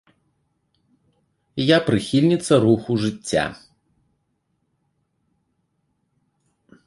Я прыхільніца руху жыцця.